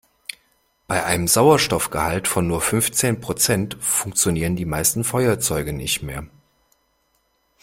Bei einem Sauerstoffgehalt von nur fünfzehn Prozent funktionieren die meisten Feuerzeuge nicht mehr.